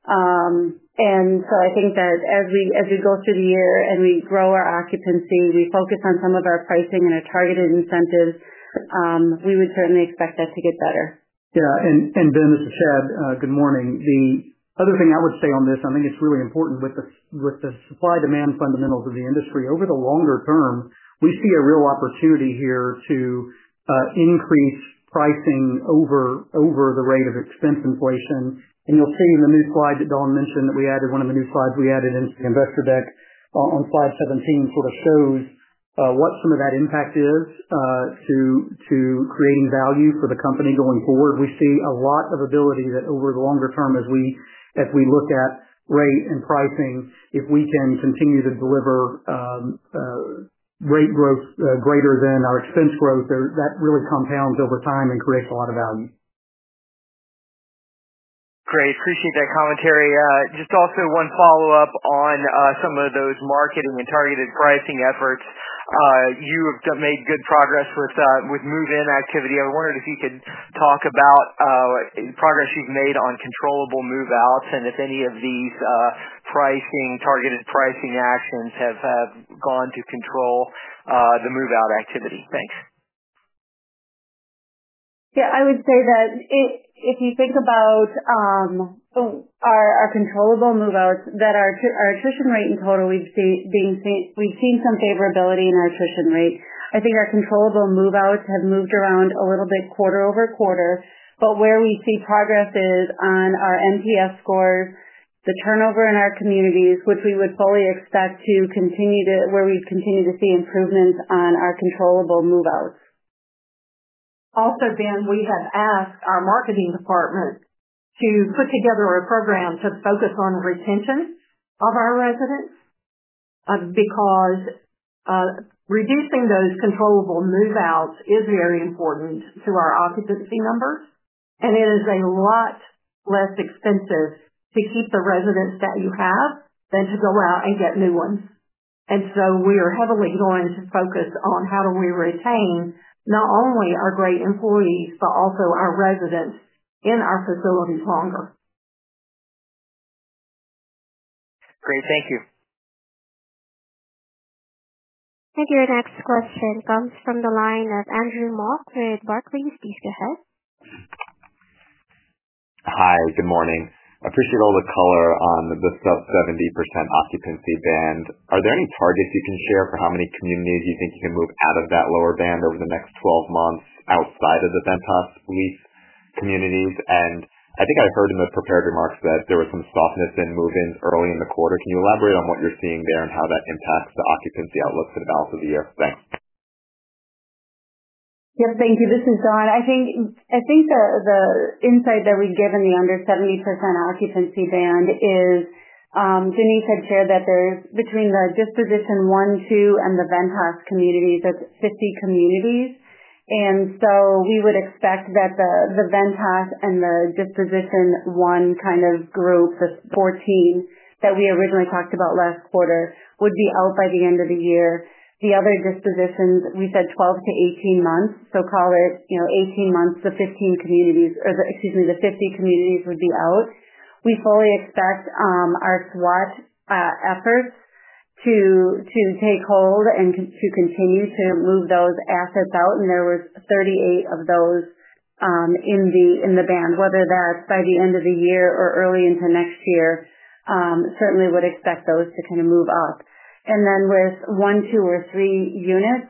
I think that as we go through the year and we grow our occupancy, we focus on some of our pricing and our targeted incentives, we would certainly expect that to get better. Yeah. This is Chad. Good morning. The other thing I would say on this, I think it's really important with the supply-demand fundamentals of the industry. Over the longer term, we see a real opportunity here to increase pricing over the rate of expense inflation. You'll see in the new slide that Dawn mentioned that we added, one of the new slides we added into the investor deck on slide 17, sort of shows what some of that impact is to creating value for the company going forward. We see a lot of ability that over the longer term as we look at rate and pricing, if we can continue to deliver rate growth greater than our expense growth, that really compounds over time and creates a lot of value. Great. Appreciate that commentary. Just also one follow-up on some of those marketing and targeted pricing efforts. You have made good progress with move-in activity. I wondered if you could talk about the progress you've made on controllable move-outs and if any of these targeted pricing actions have gone to control the move-out activity. Thanks. I would say that if you think about our controllable move-outs, that our attrition rate in total, we've seen some favorability in our attrition rate. I think our controllable move-outs have moved around a little bit quarter over quarter. Where we see progress is on our NPS score, the turnover in our communities, which we would fully expect to continue to where we continue to see improvements on our controllable move-outs. Also, Ben, we have asked our marketing department to put together a program to focus on the retention of our residents, because reducing those controllable move-outs is very important to our occupancy numbers. It is a lot less expensive to keep the residents that you have than to go out and get new ones. We are heavily going to focus on how do we retain not only our great employees, but also our residents in our facilities longer. Great, thank you. Your next question comes from the line of Andrew Mok with Barclays. Hi, good morning. I appreciate all the color on the sub-70% occupancy band. Are there any targets you can share for how many communities you think you can move out of that lower band over the next 12 months outside of the Vantage lease communities? I think I've heard in the prepared remarks that there was some softness in move-ins early in the quarter. Can you elaborate on what you're seeing there and how that impacts the occupancy outlooks in the balance of the year? Thanks. Yeah, thank you. This is Dawn. I think the insight that we get in the under 70% occupancy band is, Denise had shared that there's between the disposition one, two, and the Vantage communities, that's 50 communities. We would expect that the Vantage and the disposition one kind of group, the 14 that we originally talked about last quarter, would be out by the end of the year. The other dispositions, we said 12 months-18 months. Call it, you know, 18 months, the 50 communities would be out. We fully expect our SWAT efforts to take hold and to continue to move those assets out. There were 38 of those in the band. Whether that's by the end of the year or early into next year, certainly would expect those to kind of move up. Where it's one, two, or three units,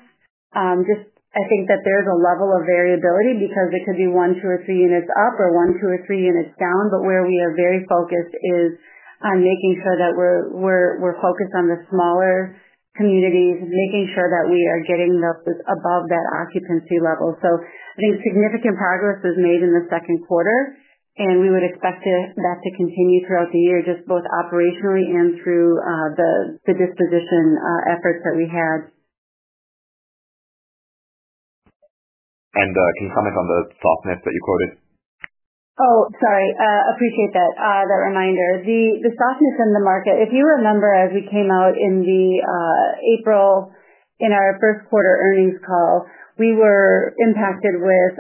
just I think that there's a level of variability because it could be one, two, or three units up or one, two, or three units down. Where we are very focused is on making sure that we're focused on the smaller communities, making sure that we are getting those above that occupancy level. I think significant progress was made in the second quarter, and we would expect that to continue throughout the year, both operationally and through the disposition efforts that we had. Can you comment on the softness that you quoted? Oh, sorry. Appreciate that reminder. The softness in the market, if you remember, as we came out in April in our first quarter earnings call, we were impacted with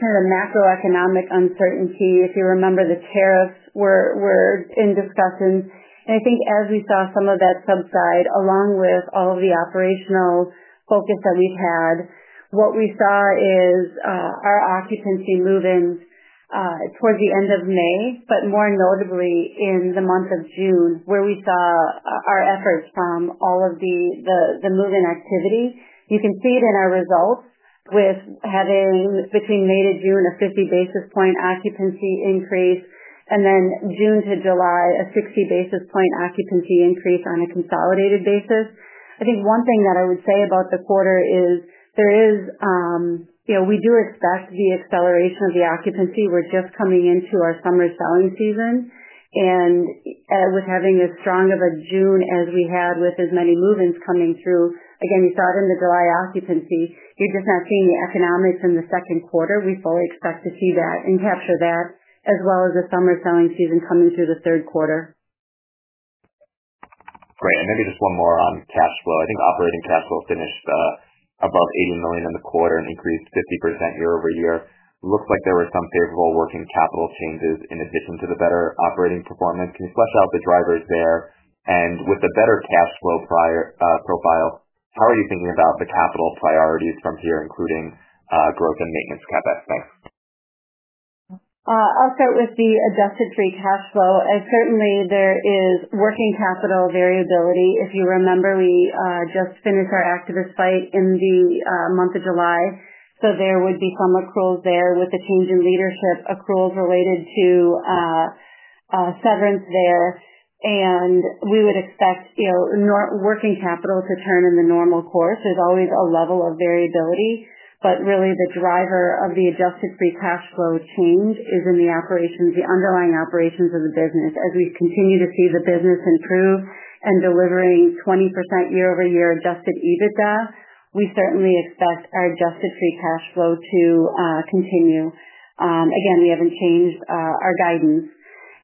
kind of a macroeconomic uncertainty. If you remember, the tariffs were in discussion. I think as we saw some of that subside along with all of the operational focus that we've had, what we saw is our occupancy move-ins towards the end of May, but more notably in the month of June, where we saw our efforts from all of the move-in activity. You can see it in our results with having between May to June a 50 bps occupancy increase, and then June to July a 60 bps occupancy increase on a consolidated basis. I think one thing that I would say about the quarter is there is, you know, we do expect the acceleration of the occupancy. We're just coming into our summer selling season. We're having as strong of a June as we had with as many move-ins coming through. Again, we saw it in the July occupancy. We're just not seeing the economics in the second quarter. We fully expect to see that and capture that as well as the summer selling season coming through the third quarter. Great. Maybe just one more on cash flow. I think operating cash flow finished above $80 million in the quarter and increased 50% year-over-year. it looks like there were some favorable working capital changes in addition to the better operating performance. Can you flesh out the drivers there? With the better cash flow profile, how are you thinking about the capital priorities from here, including growth and maintenance CapEx? I'll start with the adjusted free cash flow. Certainly, there is working capital variability. If you remember, we just finished our activist fight in the month of July. There would be some accruals there with the change in leadership, accruals related to severance there. We would expect working capital to turn in the normal course. There's always a level of variability. Really, the driver of the adjusted free cash flow change is in the operations, the underlying operations of the business. As we continue to see the business improve and delivering 20% year-over-year adjusted EBITDA, we certainly expect our adjusted free cash flow to continue. Again, we haven't changed our guidance.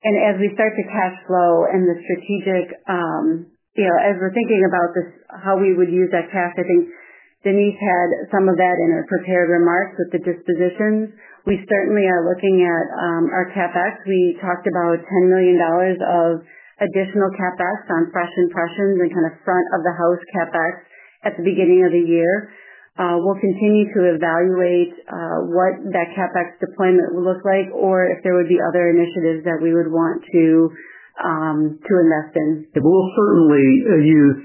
As we start to cash flow and the strategic, you know, as we're thinking about this, how we would use that cash, I think Denise had some of that in her prepared remarks with the dispositions. We certainly are looking at our CapEx. We talked about $10 million of additional CapEx on fresh impressions and kind of front-of-the-house CapEx at the beginning of the year. We'll continue to evaluate what that CapEx deployment would look like or if there would be other initiatives that we would want to invest in. We'll certainly use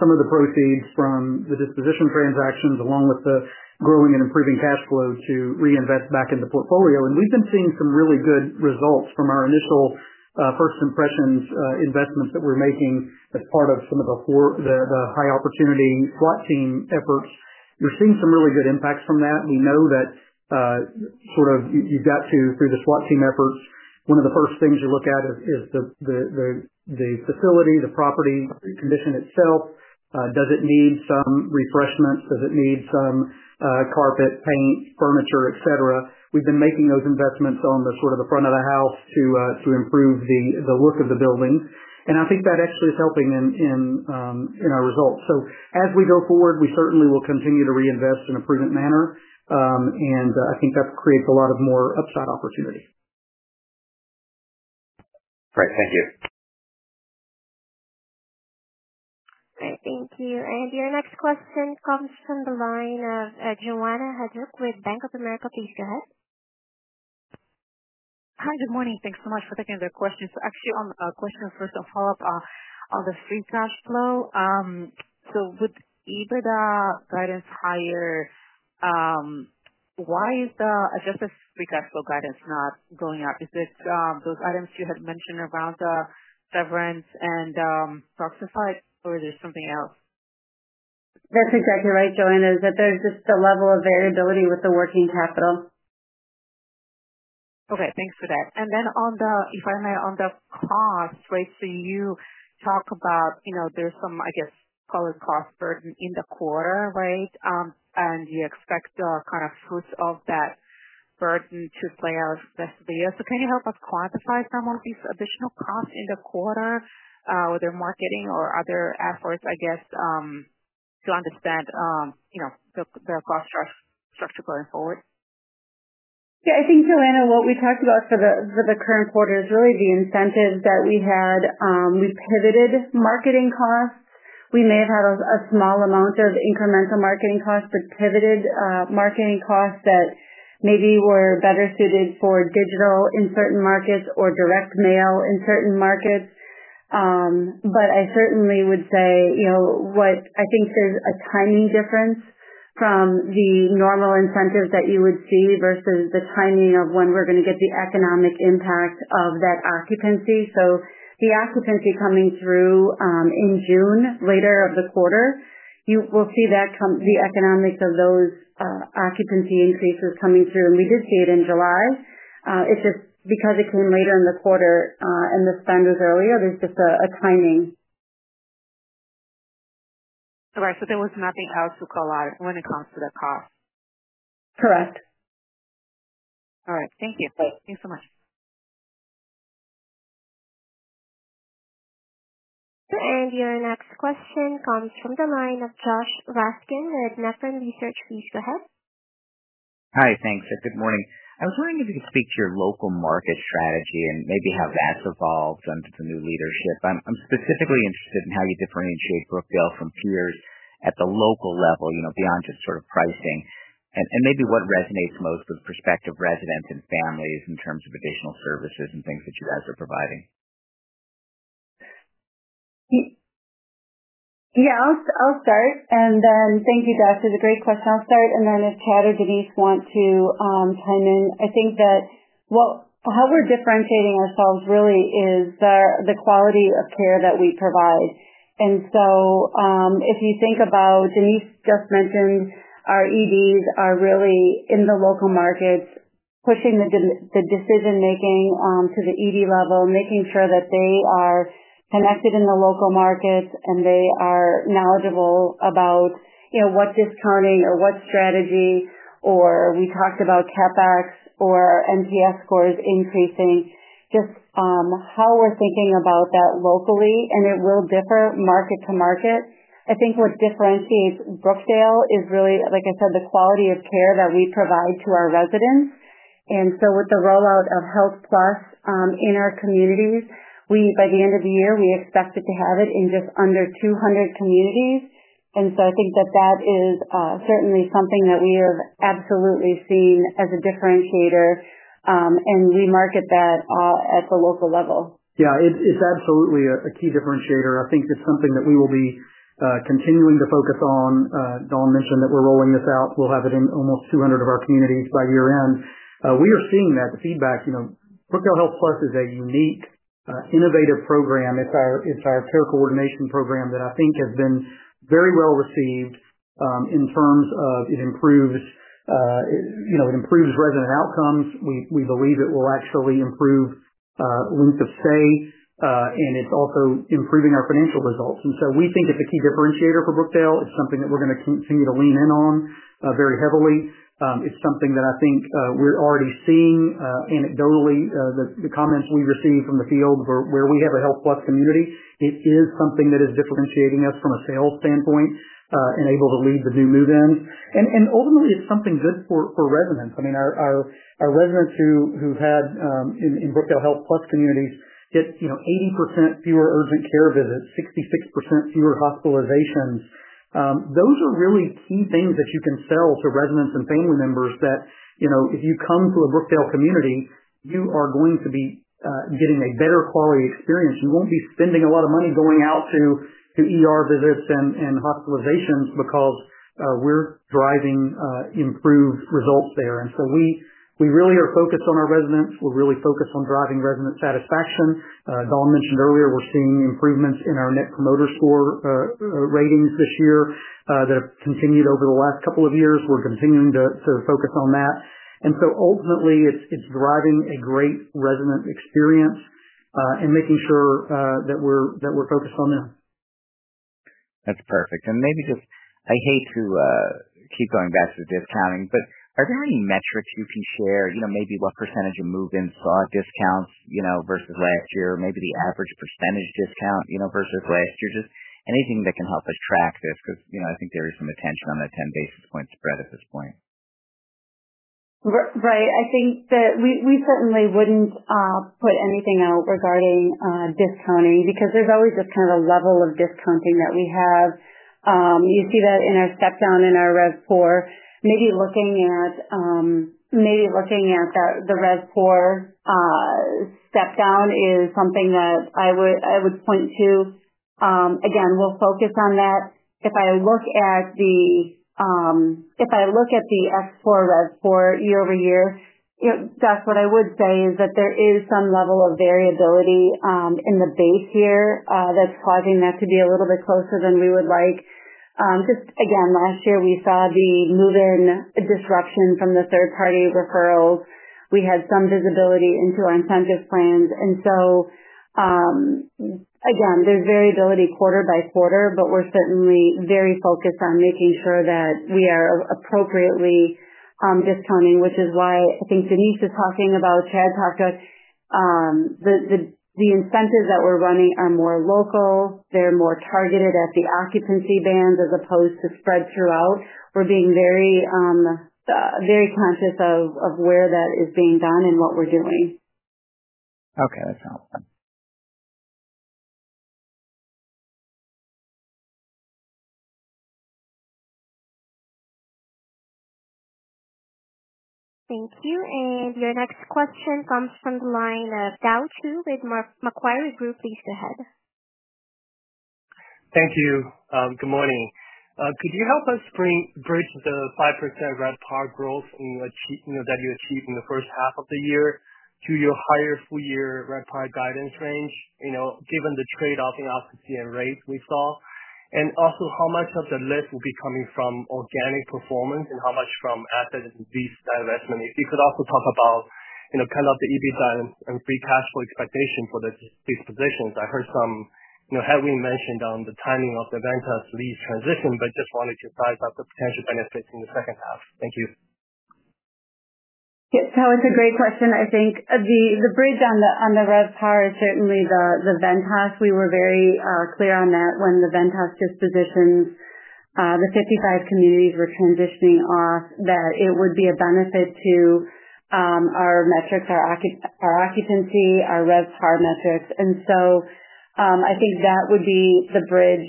some of the proceeds from the disposition transactions along with the growing and improving cash flow to reinvest back in the portfolio. We've been seeing some really good results from our initial first impressions investments that we're making as part of some of the four high opportunity SWAT team effort. You're seeing some really good impacts from that. We know that, sort of, you've got to, through the SWAT team effort, one of the first things you look at is the facility, the property condition itself. Does it need some refreshments? Does it need some carpet, paint, furniture, etc.? We've been making those investments on the front of the house to improve the look of the buildings. I think that actually is helping in our results. As we go forward, we certainly will continue to reinvest in a prudent manner, and I think that creates a lot of more upside opportunities. All right, thank you. All right. Thank you. Your next question comes from the line of Joanna Gajuk with Bank of America. Please go ahead. Hi, good morning. Thanks so much for taking the question. Actually, a question for the follow-up on the free cash flow. With EBITDA guidance higher, why is the adjusted free cash flow guidance not going up? Is this those items you had mentioned around the severance and structure side, or is it something else? That's exactly right, Joanna, there's just a level of variability with the working capital. Okay. Thanks for that. On the costs, right, you talk about, you know, there's some, I guess, call it cost burden in the quarter, right? You expect the kind of fruits of that burden to play out necessarily. Can you help us quantify some of these additional costs in the quarter, whether marketing or other efforts, I guess, to understand, you know, their cost structure going forward? Yeah, I think, Joanna, what we talked about for the current quarter is really the incentives that we had. We pivoted marketing costs. We may have had a small amount of incremental marketing costs, but pivoted marketing costs that maybe were better suited for digital in certain markets or direct mail in certain markets. I certainly would say, you know, I think there's a timing difference from the normal incentives that you would see versus the timing of when we're going to get the economic impact of that occupancy. The occupancy coming through in June, later of the quarter, you will see that come, the economics of those occupancy increases coming through. We did see it in July. It's just because it came later in the quarter, and the spend was earlier, there's just a timing. Right. There was nothing else to call out when it comes to the cost. Correct. All right. Thank you. Thanks so much. Your next question comes from the line of Josh Raskin with Nephron Research. Please go ahead. Hi, thanks. Good morning. I was wondering if you could speak to your local market strategy and maybe how that's evolved under the new leadership. I'm specifically interested in how you differentiate Brookdale Senior Living from peers at the local level, you know, beyond just sort of pricing. Maybe what resonates most with prospective residents and families in terms of additional services and things that you guys are providing. Yeah, I'll start. Thank you, Josh. That's a great question. I'll start, and if Chad or Denise want to chime in, I think that how we're differentiating ourselves really is the quality of care that we provide. If you think about what Denise just mentioned, our EDs are really in the local markets, pushing the decision-making to the ED level, making sure that they are connected in the local markets, and they are knowledgeable about, you know, what discounting or what strategy, or we talked about CapEx or NPS scores increasing, just how we're thinking about that locally, and it will differ market to market. I think what differentiates Brookdale Senior Living is really, like I said, the quality of care that we provide to our residents. With the rollout of Brookdale HealthPlus in our communities, by the end of the year, we expected to have it in just under 200 communities. I think that is certainly something that we have absolutely seen as a differentiator, and we market that at the local level. Yeah, it's absolutely a key differentiator. I think it's something that we will be continuing to focus on. Dawn mentioned that we're rolling this out. We'll have it in almost 200 of our communities by year-end. We are seeing that feedback. You know, HealthPlus is a unique, innovative program. It's our care coordination program that I think has been very well received in terms of it improves resident outcomes. We believe it will actually improve length of stay, and it's also improving our financial results. We think it's a key differentiator for Brookdale. It's something that we're going to continue to lean in on very heavily. It's something that I think we're already seeing anecdotally, the comments we receive from the field where we have a HealthPlus community. It is something that is differentiating us from a sales standpoint and able to lead the new move-in. Ultimately, it's something good for residents. I mean, our residents who've had, in Brookdale HealthPlus communities, get 80% fewer urgent care visits, 66% fewer hospitalizations. Those are really key things that you can sell to residents and family members that, you know, if you come to a Brookdale community, you are going to be getting a better quality experience. You won't be spending a lot of money going out to visits and hospitalization because we're driving improved results there. We really are focused on our residents. We're really focused on driving resident satisfaction. Dawn mentioned earlier, we're seeing improvements in our net promoter score ratings this year that have continued over the last couple of years. We're continuing to focus on that. Ultimately, it's driving a great resident experience and making sure that we're focused on that. That's perfect. Maybe just, I hate to keep going back to discounting, but are there any metrics you can share? Maybe what % of move-ins brought discounts versus last year? Maybe the average percentage discount versus last year? Anything that can help us track this because I think there is some attention on the 10 bps spread at this point. Right. I think that we certainly wouldn't put anything out regarding discounting because there's always just kind of a level of discounting that we have. You see that in our step-down in our RevPOR. Maybe looking at that, the RevPOR step-down is something that I would point to. Again, we'll focus on that. If I look at the RevPOR year-over-year, that's what I would say is that there is some level of variability in the base here that's causing that to be a little bit closer than we would like. Just again, last year, we saw the move-in disruption from the third-party referral. We had some visibility into our incentive plans. There's variability quarter by quarter, but we're certainly very focused on making sure that we are appropriately discounting, which is why I think Denise is talking about, Chad talked about, the incentives that we're running are more local. They're more targeted at the occupancy bands as opposed to spread throughout. We're being very conscious of where that is being done and what we're doing. Okay, that's helpful. Thank you. Your next question comes from the line of Tao Qiu with Macquarie Group. Please go ahead. Thank you. Good morning. Could you help us bridge the 5% RevPAR growth in which, you know, that you achieved in the first half of the year to your higher full-year RevPAR guidance range, you know, given the trade-off in occupancy and rates we saw? Also, how much of the lift will be coming from organic performance and how much from assets and lease divestment? If you could also talk about, you know, kind of the EBITDA and free cash flow expectation for this disposition. I heard some, you know, heavy mention on the timing of the Vantage lease transition, but just wanted to clarify the potential benefits in the second half. Thank you. Yeah, that's a great question. I think the bridge on the RevPAR is certainly the Vantage. We were very clear on that when the Vantage dispositions, the 55 communities were transitioning off, that it would be a benefit to our metrics, our occupancy, our RevPAR metrics. I think that would be the bridge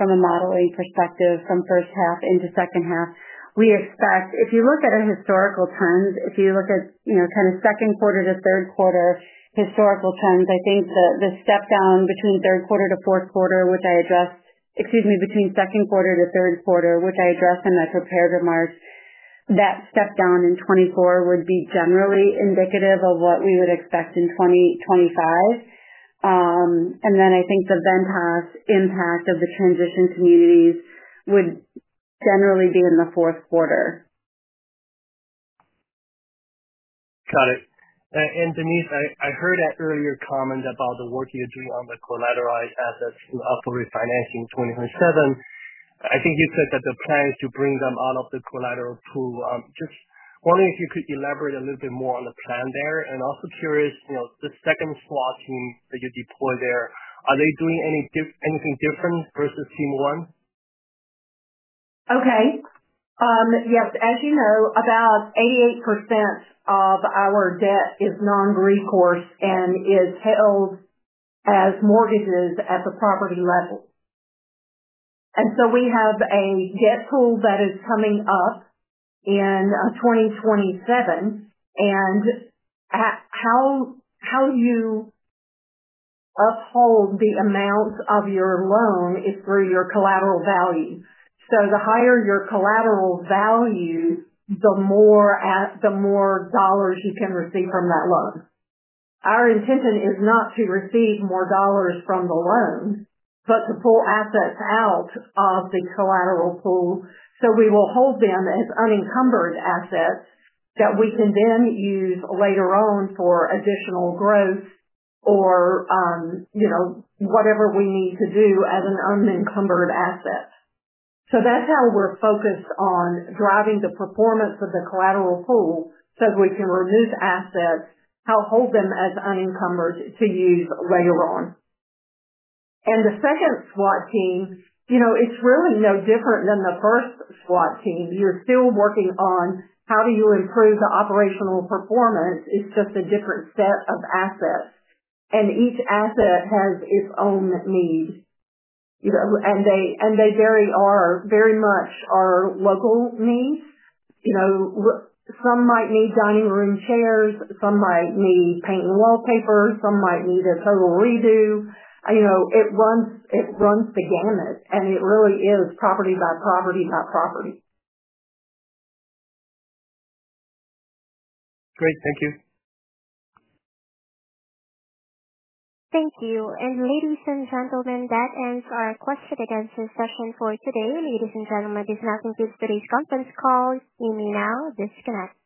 from a modeling perspective from first half into second half. We expect, if you look at our historical trends, if you look at kind of second quarter to third quarter historical trends, the step-down between third quarter to fourth quarter, which I addressed, excuse me, between second quarter to third quarter, which I addressed in my prepared remarks, that step-down in 2024 would be generally indicative of what we would expect in 2025. I think the Vantage impact of the transition communities would generally be in the fourth quarter. Got it. Denise, I heard an earlier comment about the work you're doing on the collateralized assets and also refinancing in 2027. I think you said that the plan is to bring them out of the collateral pool. I'm just wondering if you could elaborate a little bit more on the plan there. Also, curious, you know, the second SWAT team that you deployed there, are they doing anything different versus Team 1? Okay. Yes. As you know, about 88% of our debt is non-GRI, of course, and it's held as mortgages at the property level. We have a debt pool that is coming up in 2027. How you uphold the amounts of your loan is through your collateral value. The higher your collateral value, the more dollars you can receive from that loan. Our intention is not to receive more dollars from the loan, but to pull assets out of the collateral pool. We will hold them as unencumbered assets that we can then use later on for additional growth or, you know, whatever we need to do as an unencumbered asset. That's how we're focused on driving the performance of the collateral pool so that we can remove assets, help hold them as unencumbered to use later on. The second SWAT team, you know, it's really no different than the first SWAT team. You're still working on how do you improve the operational performance. It's just a different set of assets. Each asset has its own needs. You know, and they are very much our local needs. Some might need dining room chairs, some might need paint and wallpaper, some might need a total redo. It runs the gamut, and it really is property by property by property. Great. Thank you. Thank you. Ladies and gentlemen, that ends our question-and-answer session for today. If nothing else for today's conference call, you may now disconnect.